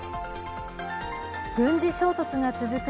軍事衝突が続く